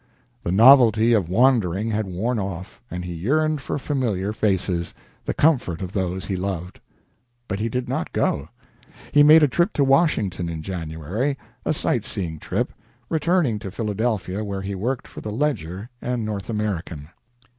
The novelty of wandering had worn off, and he yearned for familiar faces, the comfort of those he loved. But he did not go. He made a trip to Washington in January a sight seeing trip returning to Philadelphia, where he worked for the "Ledger" and "North American."